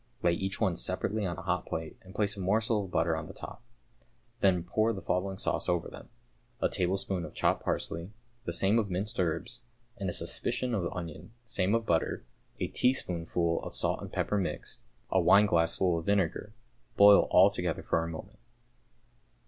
Lay each one separately on a hot plate, and place a morsel of butter on the top. Then pour the following sauce over them: a tablespoonful of chopped parsley, the same of minced herbs, and a "suspicion" of onion, same of butter, a teaspoonful of salt and pepper mixed, a wineglassful of vinegar; boil altogether for a moment.